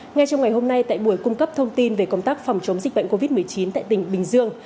ngay trong ngày hôm nay tại buổi cung cấp thông tin về công tác phòng chống dịch bệnh covid một mươi chín tại tỉnh bình dương